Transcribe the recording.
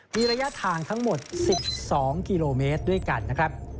มีระยะทางทั้งหมด๑๒กิโลเมตรด้วยกันนะครับ